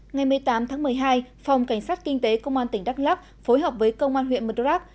ngày một mươi tám tháng một mươi hai phòng cảnh sát kinh tế công an tỉnh đắk lắc phối hợp với công an huyện mật rắc